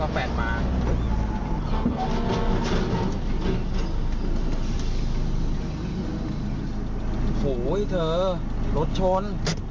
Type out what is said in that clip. โอ้โฮเว้ยเธอรถชน